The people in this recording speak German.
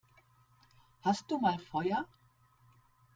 Hast du mal Feuer?